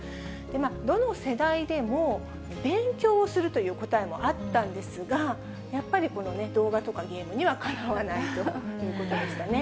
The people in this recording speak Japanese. どの世代でも、勉強するという答えもあるんですが、やっぱりこの動画とかゲームにはかなわないということでしたね。